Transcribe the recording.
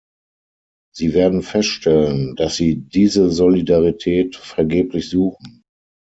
Sie werden feststellen, dass Sie diese Solidarität vergeblich suchen.